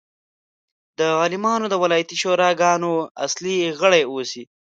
د عالمانو د ولایتي شوراګانو اصلي غړي اوسي.